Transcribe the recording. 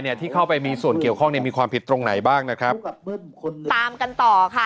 ที่เข้าไปมีส่วนเกี่ยวข้องเนี่ยมีความผิดตรงไหนบ้างนะครับตามกันต่อค่ะ